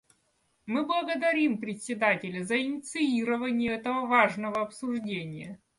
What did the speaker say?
Мы благодарим Председателя за инициирование этого важного обсуждения.